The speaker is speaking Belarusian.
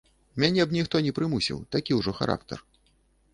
Мяне б ніхто не прымусіў, такі ўжо характар.